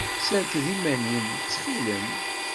Serked iman-im, ttxil-m.